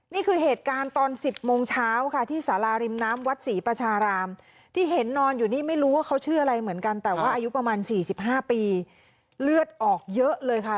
นี่คือเหตุการณ์ตอน๑๐โมงเช้าค่ะที่สาราริมน้ำวัดศรีประชารามที่เห็นนอนอยู่นี่ไม่รู้ว่าเขาชื่ออะไรเหมือนกันแต่ว่าอายุประมาณ๔๕ปีเลือดออกเยอะเลยค่ะ